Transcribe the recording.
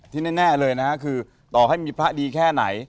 แน่เลยนะฮะคือต่อให้มีพระดีแค่ไหน